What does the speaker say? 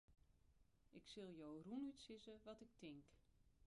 Ik sil it jo rûnút sizze wat ik tink.